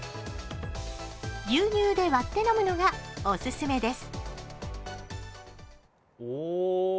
牛乳で割って飲むのがオススメです。